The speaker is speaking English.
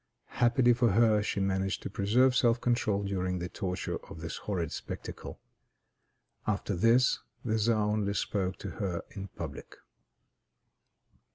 Happily for her, she managed to preserve self control during the torture of this horrid spectacle. After this the Czar only spoke to her in public.